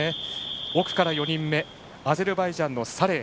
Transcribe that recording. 奥から４人目アゼルバイジャンのサレイ。